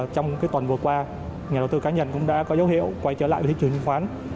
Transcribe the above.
trong tuần vừa qua nhà đầu tư cá nhân cũng đã có dấu hiệu quay trở lại thị trường chứng khoán